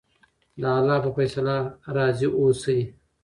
د اللهﷻ په فیصله راضي اوسئ.